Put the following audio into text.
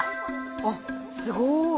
あっすごい！